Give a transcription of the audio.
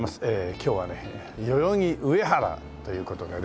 今日はね代々木上原という事でね。